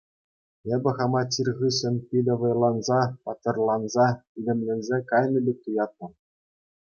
Эпӗ хама чир хыҫҫӑн питӗ вӑйланса, паттӑрланса, илемленсе кайнӑ пек туяттӑм.